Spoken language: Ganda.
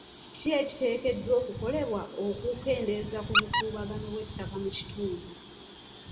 Ki ekiteekeddwa okukolebwa okukendeza ku bukuubagano bw'ettaka mu kitundu?